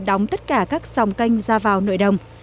đóng tất cả các sòng canh ra vào nội đồng